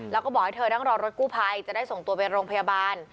แล้วก็บอกให้เธอนั่งรอรถกู้ภัยจะได้ส่งตัวไปโรงพยาบาล